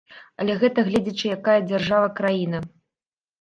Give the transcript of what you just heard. Але гэта гледзячы якая дзяржава-краіна.